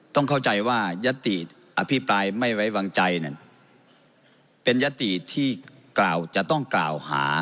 ต้องเข้าใจว่ายัตติอภิปรายไม่ไว้วางใจนั่นเป็นยติที่กล่าวจะต้องกล่าวหา